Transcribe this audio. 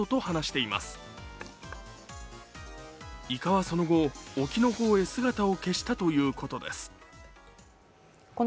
いかはその後、沖の方へ姿を消したということです。